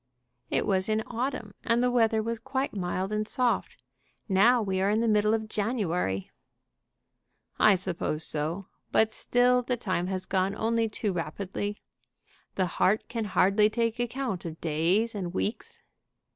"It was in autumn, and the weather was quite mild and soft. Now we are in the middle of January." "I suppose so. But still the time has gone only too rapidly. The heart can hardly take account of days and weeks."